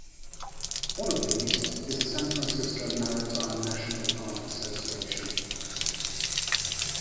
One of these is the San Francisco Maritime National Park Association.